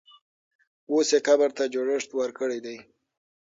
اوس یې قبر ته جوړښت ورکړی دی.